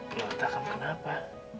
loh takut kamu kenapa